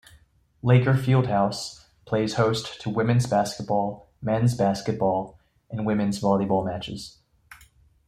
Laker Fieldhouse plays host to Women's Basketball, Men's Basketball, and Women's Volleyball matches.